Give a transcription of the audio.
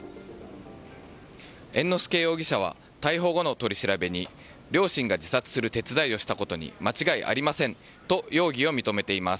猿之助容疑者は逮捕後の取り調べに両親が自殺する手伝いをしたことに間違いありませんと容疑を認めています。